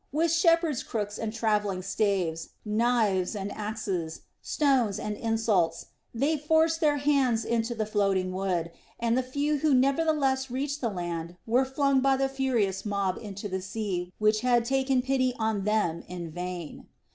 With shepherds' crooks and travelling staves, knives and axes, stones and insults they forced their hands from the floating wood, and the few who nevertheless reached the land were flung by the furious mob into the sea which had taken pity on them in vain.